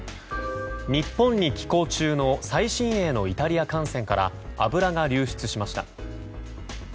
日本に寄港中の最新鋭のイタリア艦船から油が流出しました。